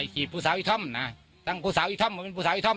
กีบผู้สาวอีกท่อมตั้งผู้สาวอีกท่อมก็เป็นผู้สาวอีกท่อม